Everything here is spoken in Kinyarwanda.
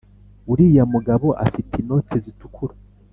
uriya mugabo afite inote zitukura